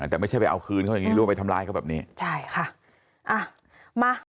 แต่ไม่ใช่ไปเอาคืนเขาอย่างงี้หรือว่าไปทำร้ายเขาแบบนี้ใช่ค่ะอ่ะมา